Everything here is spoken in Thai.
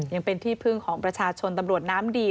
ยังเป็นที่พึ่งของประชาชนตำรวจน้ำดี